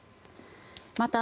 また、